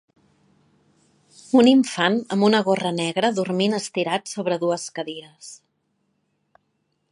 Un infant amb una gorra negra dormint estirat sobre dues cadires.